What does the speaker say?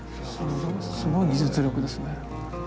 すごい技術力ですね。